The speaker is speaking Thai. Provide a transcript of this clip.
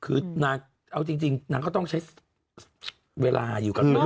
คือนางเอาจริงนางก็ต้องใช้เวลาอยู่กับตัวเอง